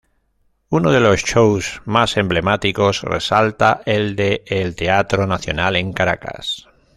Unos de los shows más emblemáticos resalta el de El Teatro Nacional en Caracas.